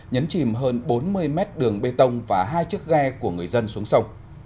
nhấn chìm hơn bốn mươi mét đường bê tông và hai chiếc ghe của người dân xuống sông